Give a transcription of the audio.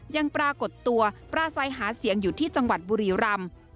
ยังปรากฏตัวปลาใสหาเสียงอยู่ที่จังหวัดบุรีรำ